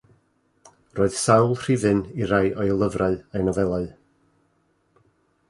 Roedd sawl rhifyn i rai o'i lyfrau a'i nofelau.